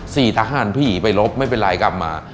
ทหารผีไปลบไม่เป็นไรกลับมา